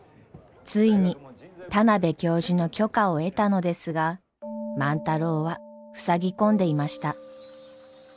ついに田邊教授の許可を得たのですが万太郎はふさぎ込んでいました。